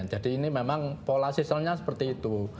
jadi ini memang pola sisanya seperti itu